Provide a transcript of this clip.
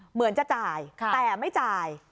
เหมือนจะจ่ายแต่ไม่จ่าย